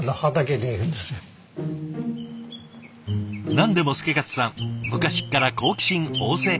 何でも祐勝さん昔から好奇心旺盛。